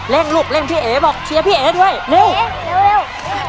เร่งลูกเร่งพี่เอ๋บอกเชียร์พี่เอ๋ดด้วยเร็วเร็วเร็วเร็ว